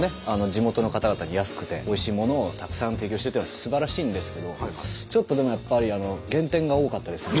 地元の方々に安くておいしいものをたくさん提供してっていうのはすばらしいんですけどちょっとでもやっぱり減点！